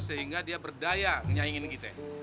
sehingga dia berdaya ngenyaingin kita